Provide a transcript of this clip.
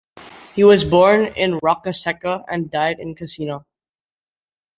He was born in Roccasecca and died in Cassino.